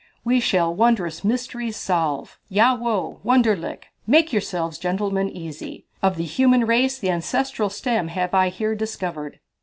We shall wondrous mysteries solve. Jawohl! Wunderlich! Make yourselves gentlemen easy. Of the human race the ancestral stem have I here discovered."